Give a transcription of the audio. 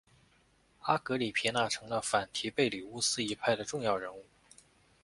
阿格里皮娜成了反提贝里乌斯一派的重要人物。